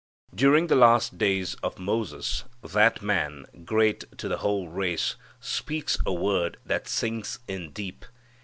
During the last days of Moses that man, great to the whole race, speaks a word that sinks in deep.